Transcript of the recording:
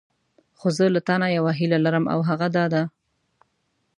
خو زه له تانه یوه هیله لرم او هغه دا ده.